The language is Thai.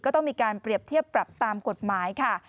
ก็ต้องมีการเปรียบเทียบปรับตามกฎหมายค่ะ